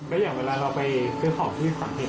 และอย่างเวลาเราไปซื้อของที่สังเกต